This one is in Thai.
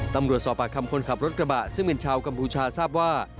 ตำรวจสอบปากคำคนขับรถกระบะซึ่งเป็นชาวกัมพูชาทราบว่า